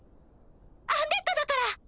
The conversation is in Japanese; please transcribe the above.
「アンデッド」だから。